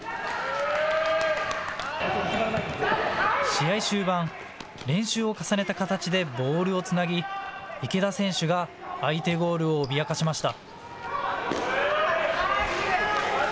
試合終盤、練習を重ねた形でボールをつなぎ池田選手が相手ゴールを脅かしました。